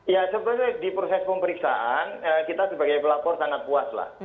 ya sebenarnya di proses pemeriksaan kita sebagai pelapor sangat puas lah